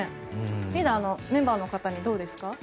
リーダーメンバーの方にどうですか？